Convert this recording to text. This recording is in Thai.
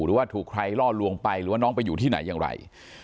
หรือว่าถูกใครล่อลวงไปหรือว่าน้องไปอยู่ที่ไหนอย่างไร